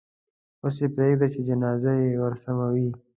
اوس یې پرېږده چې جنازه یې ورسموي.